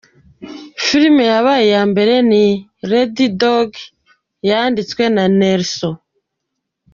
Filime yabaye iya mbere ni ’Red Dog’ yanditswe na Nelson J.